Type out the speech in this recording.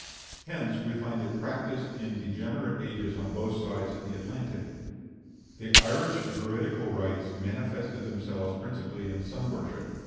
Hence we find it practised in degenerate ages on both sides of the Atlantic. The Irish Druidical rites manifested themselves principally in sun worship.